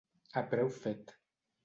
A preu fet.